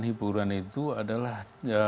hiburan itu adalah